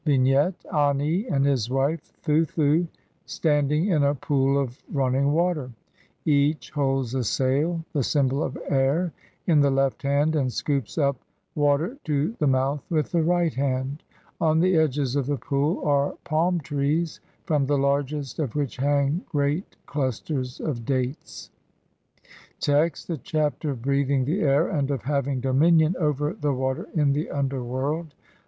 10,470, sheet 16).] Vignette : Ani and his wife Thuthu standing in a pool of running water ; each holds a sail, the symbol of air, in the left hand, and scoops up water to the mouth with the right hand. On the edges of the pool are palm trees, from the largest of which hang great clusters of dates. Text : (1) The Chapter of breathing the air and of HAVING DOMINION OVER THE WATER IN THE UNDERWORLD.